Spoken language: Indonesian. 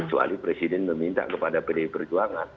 kecuali presiden meminta kepada pdi perjuangan